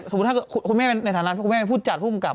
สมมุติถ้าเกิด๕คนในฐานะคุณแม่พูดจัดผู้กำกับ